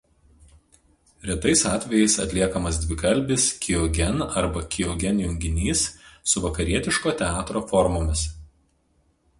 Retais atvejais atliekamas dvikalbis kiogen arba kiogen junginys su vakarietiško teatro formomis.